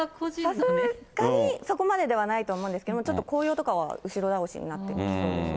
さすがにそこまでではないと思うんですけど、ちょっと紅葉とかは後ろ倒しになってきそうですね。